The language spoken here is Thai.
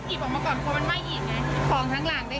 เพราะกลัวมันระเบิดอย่าง้ายพี่